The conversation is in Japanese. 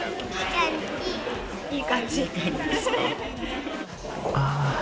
いい感じ！